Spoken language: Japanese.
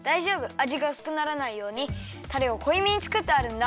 あじがうすくならないようにタレをこいめにつくってあるんだ。